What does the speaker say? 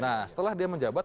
nah setelah dia menjabat